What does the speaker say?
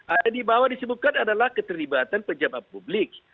ada di bawah disebutkan adalah keterlibatan pejabat publik